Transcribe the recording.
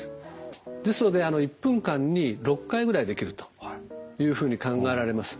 ですので１分間に６回ぐらいできるというふうに考えられます。